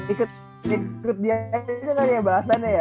ikut dia aja kan ya bahasan ya